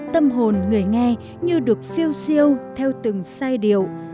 tâm hồn người nghe như được phiêu siêu theo từng giai điệu